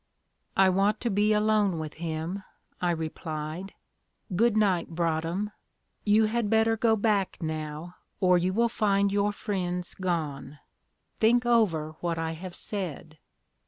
"I want to be alone with him," I replied. "Good night, Broadhem. You had better go back now, or you will find your friends gone. Think over what I have said.